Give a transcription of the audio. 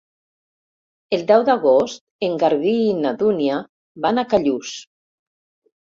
El deu d'agost en Garbí i na Dúnia van a Callús.